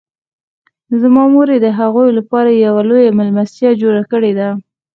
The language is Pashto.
زما مور د هغوی لپاره یوه لویه میلمستیا جوړه کړې ده